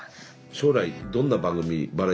将来どんな番組バラエティー作りたいの？